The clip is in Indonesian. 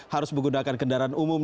harus menggunakan kendaraan umum